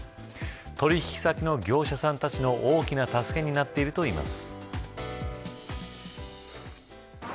取引先の業者さんたちの大きな助けになっているといいます。